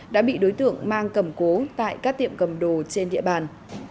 đã bị đối tượng mang cầm cố tại các tiệm cầm đồ trên địa bàn